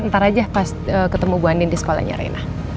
ntar aja pas ketemu bu andien di sekolahnya rena